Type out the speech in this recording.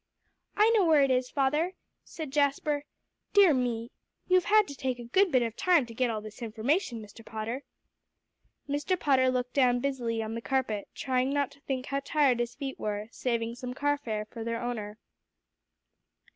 "I know where it is, father," said Jasper. "Dear me! You've had to take a good bit of time to get all this information, Mr. Potter." Mr. Potter looked down busily on the carpet, trying not to think how tired his feet were, saving some car fare for their owner.